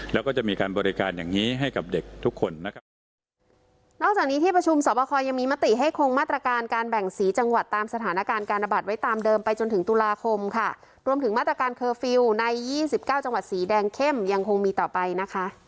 แล้วก็จะมีการบริการอย่างนี้ให้กับเด็กทุกคนนะครับ